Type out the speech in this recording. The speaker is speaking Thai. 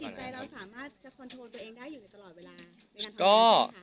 แต่จิตใจเราสามารถจะคอนโทรลตัวเองได้อยู่ตลอดเวลา